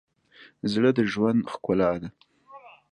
زړه د ژوند ښکلا ساتي.